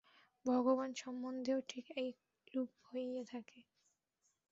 ভগবান সম্বন্ধেও ঠিক এইরূপ হইয়া থাকে।